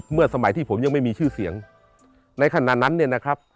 สมัยที่ผมยังไม่มีชื่อเสียงในขณะนั้นเนี่ยนะครับ